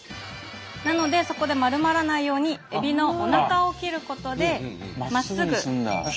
なのでそこで丸まらないようにエビのおなかを切ることでまっすぐ。